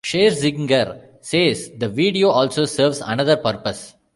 Scherzinger says the video also serves another purpose.